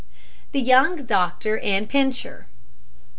THE YOUNG DOCTOR AND PINCHER.